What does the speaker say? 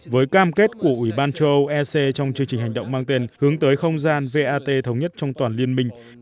với cam kết của ủy ban châu âu ec trong chương trình hành động mang tên hướng tới không gian vat thống nhất trong toàn liên minh